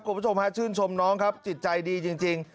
คุณผู้ชมฮะชื่นชมน้องครับจิตใจดีจริง